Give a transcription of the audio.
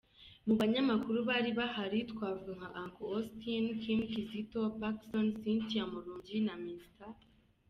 Mu banyamakuru bari bahari twavuga nka Uncle Austin, Kim Kizito, Pacson, Cynthia Murungi, Mr.